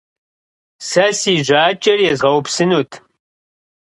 Сэ си жьакӏэр езгъэупсынут.